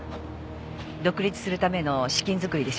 独立するための資金作りでしょ？